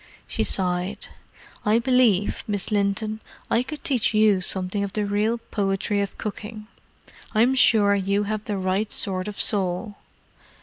She sighed. "I believe, Miss Linton, I could teach you something of the real poetry of cooking. I'm sure you have the right sort of soul!"